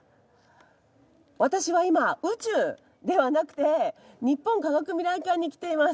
私は今宇宙ではなくて日本科学未来館に来ています。